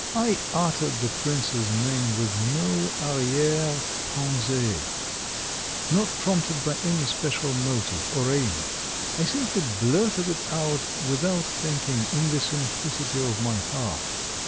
I uttered the prince's name with no arrière pensée, not prompted by any special motive or aim; I simply blurted it out without thinking, in the simplicity of my heart.